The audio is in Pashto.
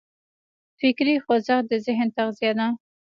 فکري خوځښت د ذهن تغذیه ده.